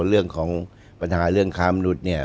เรื่องของปัญหาเรื่องค้ามนุษย์เนี่ย